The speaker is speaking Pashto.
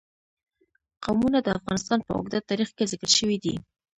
قومونه د افغانستان په اوږده تاریخ کې ذکر شوی دی.